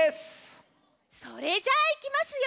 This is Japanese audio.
それじゃいきますよ。